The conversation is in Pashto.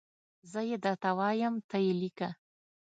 زه یي درته وایم ته یي لیکه